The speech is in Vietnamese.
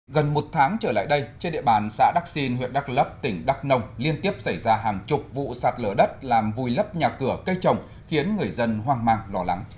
gần một tháng trở lại đây trên địa bàn xã đắc xin huyện đắk lấp tỉnh đắk nông liên tiếp xảy ra hàng chục vụ sạt lở đất làm vùi lấp nhà cửa cây trồng khiến người dân hoang mang lo lắng